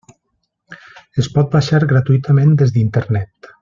Es pot baixar gratuïtament des d'Internet.